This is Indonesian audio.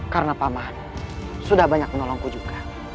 karena pamah sudah banyak menolongku juga